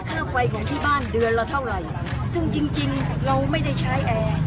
ค่าไฟของที่บ้านเดือนละเท่าไหร่ซึ่งจริงจริงเราไม่ได้ใช้แอร์